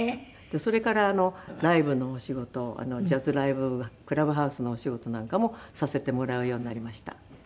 それからライブのお仕事をジャズライブクラブハウスのお仕事なんかもさせてもらうようになりました。